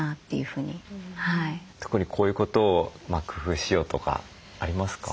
特にこういうことを工夫しようとかありますか？